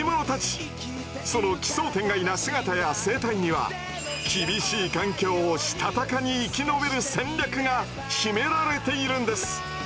その奇想天外な姿や生態には厳しい環境をしたたかに生き延びる戦略が秘められているんです。